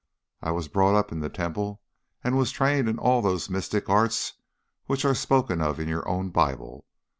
I was brought up in the temple and was trained in all those mystic arts which are spoken of in your own Bible.